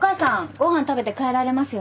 ご飯食べて帰られますよね？